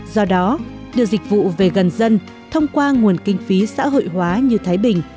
do đó đưa dịch vụ về gần dân thông qua nguồn kinh phí xã hội hóa như thái bình